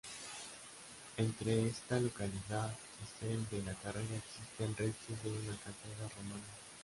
Entre esta localidad y Sel de la Carrera existen restos de una calzada romana.